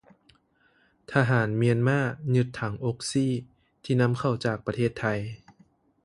ທະຫານມຽນມາຍຶດຖັງອົກຊີ ທີ່ນໍາເຂົ້າຈາກປະເທດໄທ